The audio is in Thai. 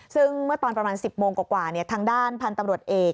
ซึ่งเมื่อตอนประมาณ๑๐โมงกว่าทางด้านพันธุ์ตำรวจเอก